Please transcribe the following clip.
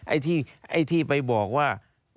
ไอ้ที่ไปบอกว่า